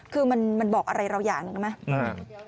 คือมันบอกอะไรเราอยากจับไม๊